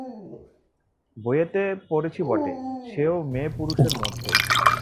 বইয়েতে পড়েছি বটে, সেও মেয়ে পুরুষের মধ্যে।